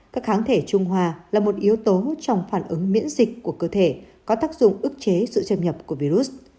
các kháng thể trung hòa là một yếu tố trong phản ứng miễn dịch của cơ thể có tác dụng ước chế sự châm nhập của virus